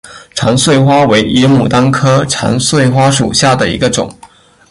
长穗花为野牡丹科长穗花属下的一个种。